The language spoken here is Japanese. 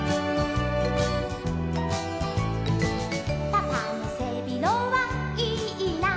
「パパのせびろはいいな」